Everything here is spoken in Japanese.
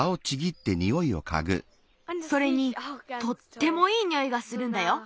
それにとってもいいにおいがするんだよ。